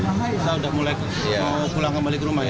kalau sudah mulai mau pulang kembali ke rumah ya